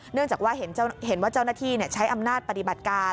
เนื่องจากว่าเห็นว่าเจ้าหน้าที่ใช้อำนาจปฏิบัติการ